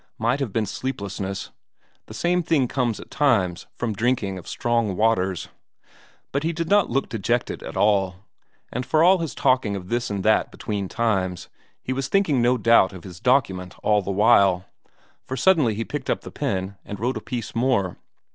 Might have been sleeplessness; the same thing comes at times from drinking of strong waters. But he did not look dejected at all; and for all his talking of this and that between times, he was thinking no doubt of his document all the while, for suddenly he picked up the pen and wrote a piece more.